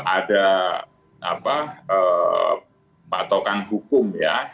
ada patokan hukum ya